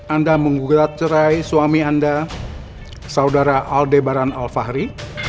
anda menggugat cerai suami anda saudara aldebaran alfahri